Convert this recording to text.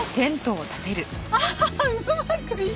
ああうまくいった！